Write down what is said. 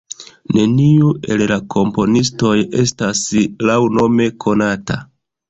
Neniu el la komponistoj estas laŭnome konata.